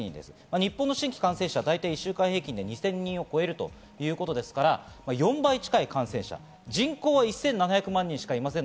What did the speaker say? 日本の新規感染者が１週間平均で２０００人を超えるということですから、４倍近い感染者、人口は１７００万人しかいません。